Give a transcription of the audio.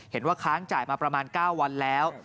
เห็นว่าค้างจ่ายมาประมาณ๙วันแล้ว